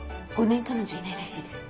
５年彼女いないらしいです。